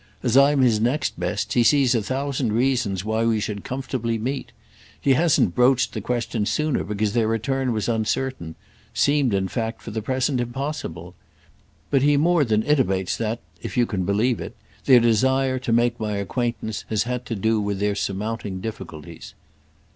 As I'm his next best he sees a thousand reasons why we should comfortably meet. He hasn't broached the question sooner because their return was uncertain—seemed in fact for the present impossible. But he more than intimates that—if you can believe it—their desire to make my acquaintance has had to do with their surmounting difficulties."